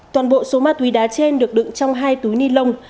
toàn bộ số ma túy đá trên được đựng trong hai túi ni lông